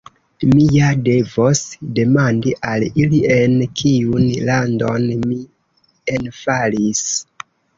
Mi ja devos demandi al ili en kiun landon mi enfalis.